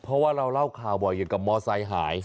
เพราะว่าเราเล่าข่าวบ่อยเกี่ยวกับมอไซค์หาย